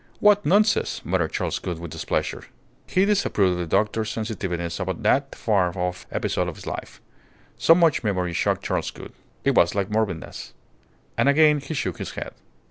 "What nonsense!" muttered Charles Gould, with displeasure. He disapproved of the doctor's sensitiveness about that far off episode of his life. So much memory shocked Charles Gould. It was like morbidness. And again he shook his head.